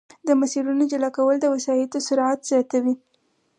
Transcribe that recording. د مسیرونو جلا کول د وسایطو سرعت زیاتوي